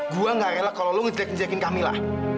gua gak rela kalau lu ngejelek njelekin kamila